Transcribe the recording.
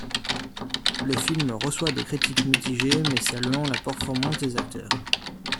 Le film reçoit des critiques mitigées, mais saluant la performance des acteurs.